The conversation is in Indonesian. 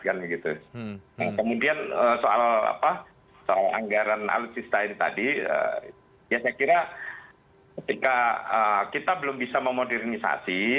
kemudian soal anggaran alutsistain tadi ya saya kira ketika kita belum bisa memodernisasi